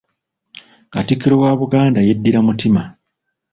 Katikkiro wa Buganda yeddira mutima.